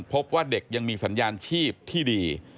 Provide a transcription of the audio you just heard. พบว่าเด็กยังมีสัญญาณชีพที่ดี